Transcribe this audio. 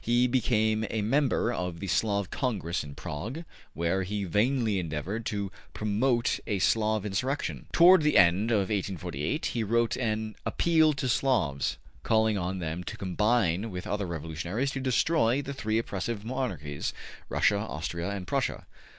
He became a member of the Slav Congress in Prague, where he vainly endeavored to promote a Slav insurrection. Toward the end of 1848, he wrote an ``Appeal to Slavs,'' calling on them to combine with other revolutionaries to destroy the three oppressive monarchies, Russia, Austria and Prussia.